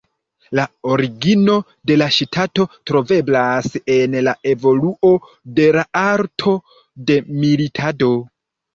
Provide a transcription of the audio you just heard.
La origino de la ŝtato troveblas en la evoluo de la arto de militado.